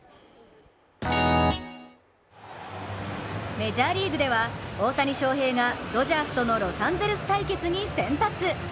メジャーリーグでは、大谷翔平がドジャースとのロサンゼルス対決に先発。